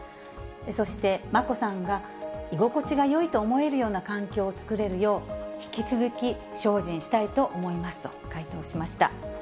そして眞子さんが居心地がよいと思えるような環境を作れるよう、引き続き精進したいと思いますと回答しました。